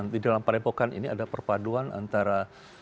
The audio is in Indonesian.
di dalam pak depokan ini ada perpaduan antara